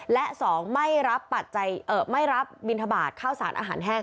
และสองไม่รับบิณฑบาตข้าวสารอาหารแห้ง